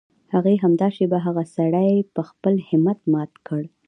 هغې همدا شېبه هغه سړی په خپل همت مات کړ.